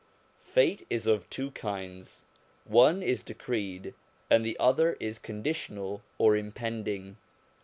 Fate is of two kinds : one is decreed, and the other is conditional or impending.